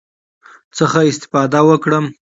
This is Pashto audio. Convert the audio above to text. څخه استفاده وکړم،